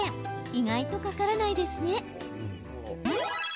意外とかからないですね。